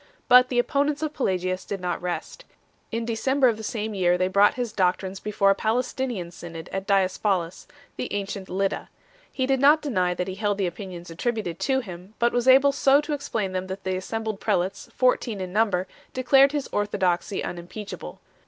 But the opponents of Pelagius did not rest. In December of the same year they brought his doctrines before a Palestinian synod at Diospolis 2 , the ancient Lydda. He did not deny that he held the opinions attributed to him, but was able so to explain them that the assembled prelates, fourteen in number, declared his orthodoxy unimpeachable.